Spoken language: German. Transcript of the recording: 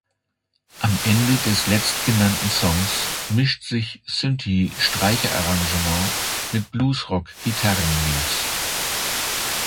Am Ende des letztgenannten Songs mischt sich Synthie-Streicherarrangement mit Bluesrock-Gitarrenleads.